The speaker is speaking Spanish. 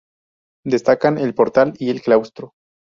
Destacan el portal y el claustro.